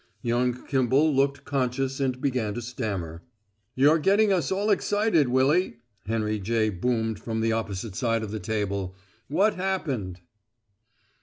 Young Kimball looked conscious and began to stammer. "You're getting us all excited, Willy," Henry J. boomed from the opposite side of the table. "What happened?"